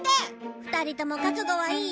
２人とも覚悟はいい？